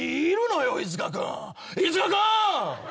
飯塚君！